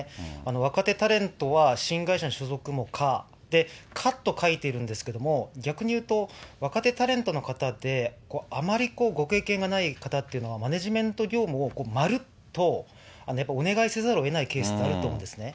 若手タレントは新会社に所属も可、で、可と書いているんですけども、逆にいうと、若手タレントの方で、あまりご経験がない方っていうのは、マネジメント業務をまるっとやっぱお願いせざるえないケースってあると思うんですね。